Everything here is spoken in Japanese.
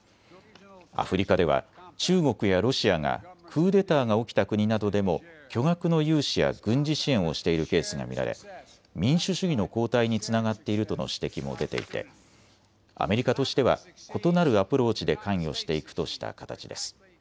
アフリカでは中国やロシアがクーデターが起きた国などでも巨額の融資や軍事支援をしているケースが見られ民主主義の後退につながっているとの指摘も出ていてアメリカとしては異なるアプローチで関与していくとした形です。